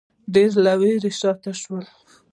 ډېرو له وېرې شا ته شول